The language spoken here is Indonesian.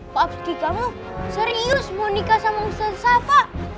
pak bukti kamu serius mau nikah sama ustazah apa